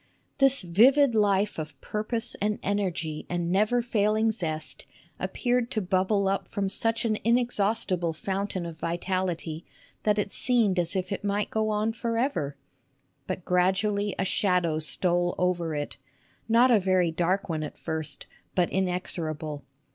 This vivid life of purpose and energy and never failing zest appeared to bubble up from such an inexhaustible fountain of vitality that it seemed as if it might go on for ever. But gradually a shadow stole over it not a very dark one at first, but inex orable.